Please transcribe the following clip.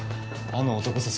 あの男さ